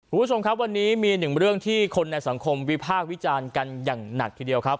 คุณผู้ชมครับวันนี้มีหนึ่งเรื่องที่คนในสังคมวิพากษ์วิจารณ์กันอย่างหนักทีเดียวครับ